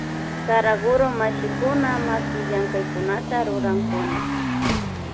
Saraguro mashikunaka makillamkaykunata rurankuna.